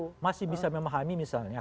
kalau masih bisa memahami misalnya